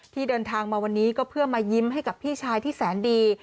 เดินทางมาวันนี้ก็เพื่อมายิ้มให้กับพี่ชายที่แสนดี